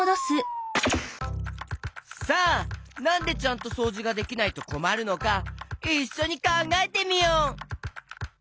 さあなんでちゃんとそうじができないとこまるのかいっしょにかんがえてみよう！